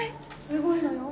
すごいのよ。